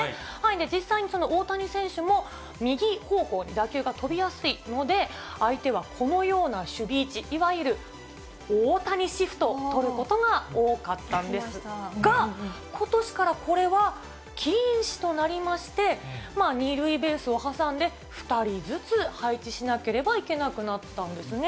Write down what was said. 実際にその大谷選手も、右方向に打球が飛びやすいので、相手はこのような守備位置、いわゆる大谷シフトを取ることが多かったんですが、ことしからこれは禁止となりまして、２塁ベースを挟んで２人ずつ配置しなければいけなくなったんですね。